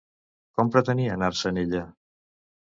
Com pretenia anar-se'n ella?